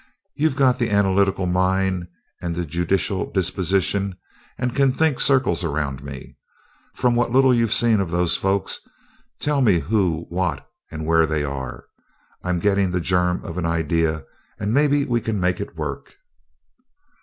"You've got the analytical mind and the judicial disposition, and can think circles around me. From what little you've seen of those folks, tell me who, what, and where they are. I'm getting the germ of an idea, and maybe we can make it work."